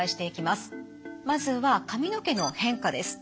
まずは髪の毛の変化です。